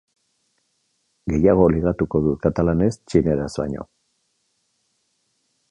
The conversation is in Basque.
Gehiago ligatuko dut katalanez txineraz baino.